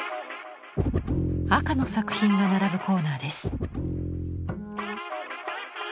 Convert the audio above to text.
赤の作品が並ぶコーナーです。